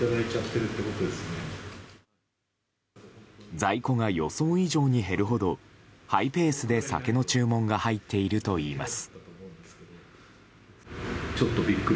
在庫が予想以上に減るほどハイペースで酒の注文が入っているといいます。